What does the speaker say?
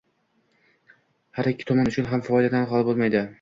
har ikki tomon uchun foydadan xoli bo‘lmaydi.